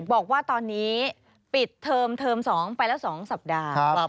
บอกว่าตอนนี้ปิดเทอม๒ไปแล้ว๒สัปดาห์